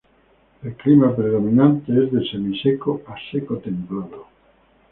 El clima predominante es de semiseco a seco templado.